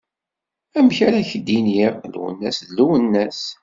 Amek ara ak-d-iniɣ… Lwennas d Lwennas.